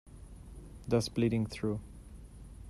Thus Bleeding Through.